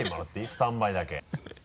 スタンバイだけ。